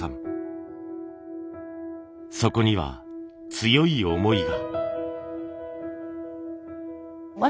そこには強い思いが。